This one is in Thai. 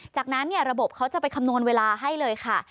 จากนั้นระบบเขาจะไปคำนวณเวลาให้เลยค่ะ